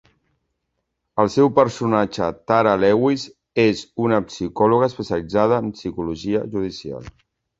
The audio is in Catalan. El seu personatge Tara Lewis, és una psicòloga especialitzada en psicologia judicial.